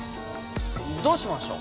どうしましょう？